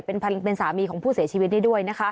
เป็นสามีของผู้เสียชีวิตได้ด้วยนะคะ